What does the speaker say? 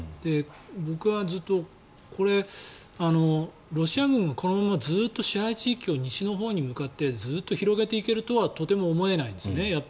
僕はずっとこれ、ロシア軍がこのままずっと支配地域を西のほうに向かってずっと広げていけるとはとても思えないんですよね。